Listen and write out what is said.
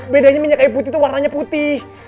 bedanya minyak kayu putih itu warnanya putih